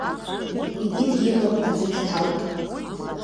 Егьи диман аӡы дҭалт.